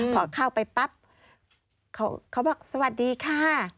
พอเข้าไปปั๊บเขาบอกสวัสดีค่ะ